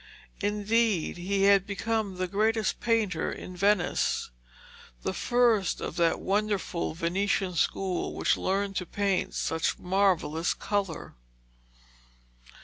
Indeed, he had become the greatest painter in Venice, the first of that wonderful Venetian school which learned to paint such marvellous colour.